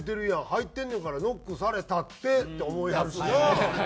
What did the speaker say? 「入ってんねんからノックされたって」って思いはるしな。